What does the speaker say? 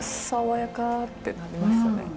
「爽やか」ってなりましたね。